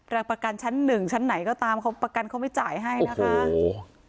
รักประกันชั้นหนึ่งชั้นไหนก็ตามเพราะประกันเขาไม่จ่ายให้นะฮะ